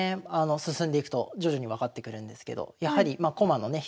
進んでいくと徐々に分かってくるんですけどやはりまあ駒のね